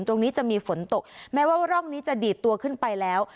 ตรงนี้จะมีฝนตกแม้ว่าร่องนี้จะดีดตัวขึ้นไปแล้ว